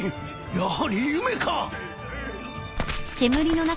やはり夢か？